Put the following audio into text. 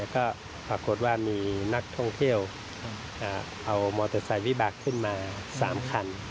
ก็ปรากฏว่ามีนักท่องเที่ยวเอามอเตอร์ไซค์วิบากขึ้นมา๓คัน